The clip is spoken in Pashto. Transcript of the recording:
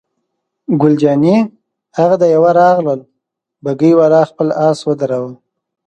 ګل جانې: هغه د یوه راغلل، بګۍ والا خپل آس ودراوه.